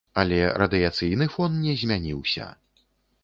Але радыяцыйны фон не змяніўся.